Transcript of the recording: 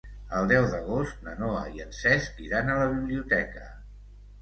El deu d'agost na Noa i en Cesc iran a la biblioteca.